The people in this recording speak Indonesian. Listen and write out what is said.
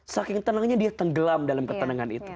saking tenangnya dia tenggelam dalam ketenangan itu